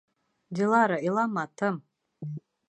Дилара, илама, тым!